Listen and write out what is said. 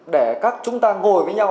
để các chúng ta ngồi với nhau